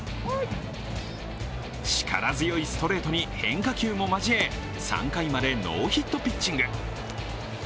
力強いストレートに変化球も交え３回までノーヒットピッチング。